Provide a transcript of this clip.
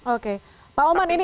oke pak ongan ini